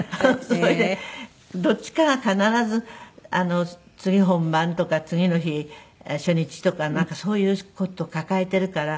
それでどっちかが必ず次本番とか次の日初日とかなんかそういう事を抱えているから。